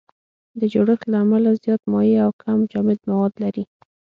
د جوړښت له امله زیات مایع او کم جامد مواد لري.